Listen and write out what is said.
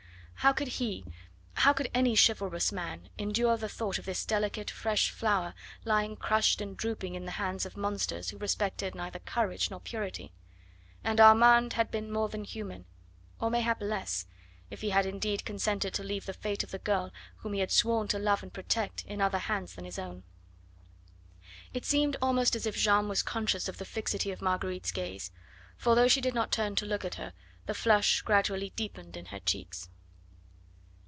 How could he, how could any chivalrous man endure the thought of this delicate, fresh flower lying crushed and drooping in the hands of monsters who respected neither courage nor purity? And Armand had been more than human, or mayhap less, if he had indeed consented to leave the fate of the girl whom he had sworn to love and protect in other hands than his own. It seemed almost as if Jeanne was conscious of the fixity of Marguerite's gaze, for though she did not turn to look at her, the flush gradually deepened in her cheeks.